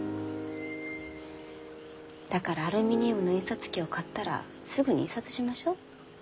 だからアルミニウムの印刷機を買ったらすぐに印刷しましょう。